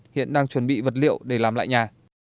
hiện đang chuẩn bị vật liệu để làm lại nhà